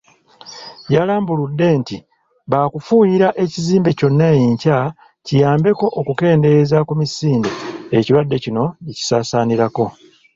Yalambuludde nti bakufuuyira ekizimbe kyonna enkya kiyambeko okukendeeza ku misinde ekirwadde kino gye kisaasaanirako.